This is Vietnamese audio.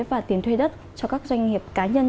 và tiền thuê đất cho các doanh nghiệp cá nhân